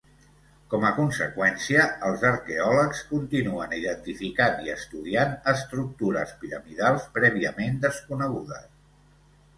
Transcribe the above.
Com a conseqüència, els arqueòlegs continuen identificant i estudiant estructures piramidals prèviament desconegudes.